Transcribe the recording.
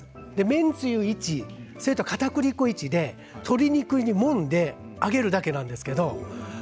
麺つゆ１、かたくり粉１で鶏肉にもんで揚げるだけなんですけど